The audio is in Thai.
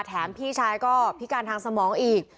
พี่ชายก็พิการทางสมองอีก